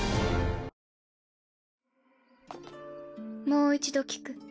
もう一度聞く。